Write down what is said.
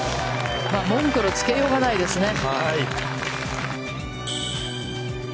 文句のつけようがないですね。